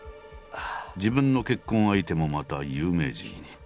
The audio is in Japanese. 自分の結婚相手もまた有名人。